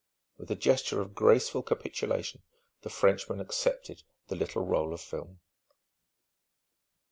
With a gesture of graceful capitulation the Frenchman accepted the little roll of film.